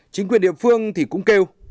chính quyền địa phương thì cũng kêu